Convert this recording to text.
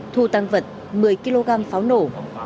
thu tăng vật một mươi kg pháo nổ